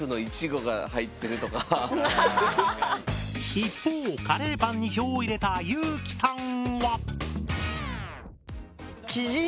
一方カレーパンに票を入れた有輝さんは？